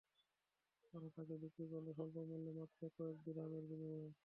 ওরা তাকে বিক্রি করল স্বল্পমূল্যে মাত্র কয়েক দিরহামের বিনিময়ে।